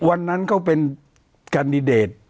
วันนั้นเขาเป็นแคนดิเดต